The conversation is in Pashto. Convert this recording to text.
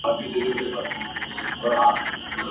د جهاني زړګیه کله به ورځو ورپسي.